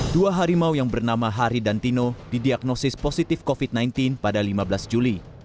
dua harimau yang bernama hari dan tino didiagnosis positif covid sembilan belas pada lima belas juli